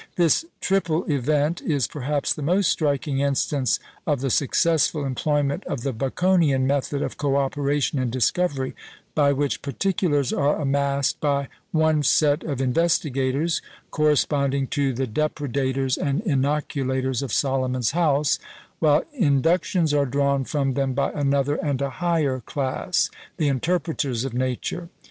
This triple event is perhaps the most striking instance of the successful employment of the Baconian method of co operation in discovery, by which "particulars" are amassed by one set of investigators corresponding to the "Depredators" and "Inoculators" of Solomon's House while inductions are drawn from them by another and a higher class the "Interpreters of Nature."